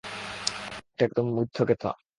এটা একদম মিথ্যা কথা!